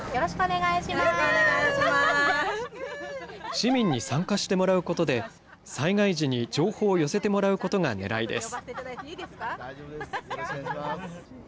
市民に参加してもらうことで、災害時に情報を寄せてもらうことがねらいです。